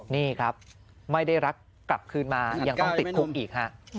นี่ครับไม่ได้รักกลับคืนมายังต้องติดคุกอีกฮะ